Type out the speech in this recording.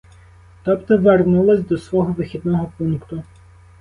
Тобто вернулась до свого вихідного пункту.